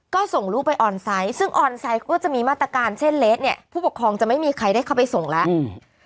ก็ส่งลูกไปออนไซต์ซึ่งออนไซต์ก็จะมีมาตรการเส้นเละเนี่ยผู้ปกครองจะไม่มีใครได้เข้าไปส่งแล้วอืม